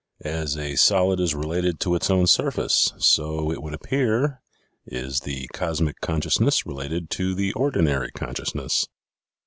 " As a solid is related to its own surface, so, it would appear, is the cosmic consciousness related to the ordinary consciousness.